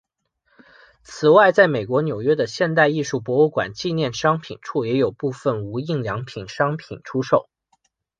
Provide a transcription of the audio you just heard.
此外在美国纽约的现代艺术博物馆纪念商品处也有部份无印良品商品出售。